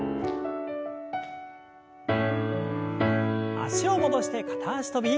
脚を戻して片脚跳び。